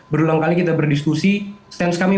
berulang kali kita berdiskusi stance kami